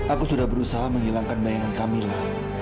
aku sudah berusaha menghilangkan bayangan camilla